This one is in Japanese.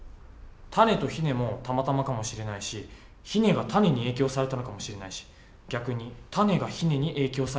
タネとヒネもたまたまかもしれないしヒネがタネに影響されたのかもしれないし逆にタネがヒネに影響されたのかもしれない。